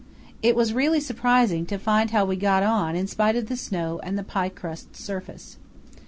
It was really surprising to find how we got on in spite of the snow and the pie crust surface.